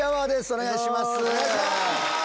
お願いします！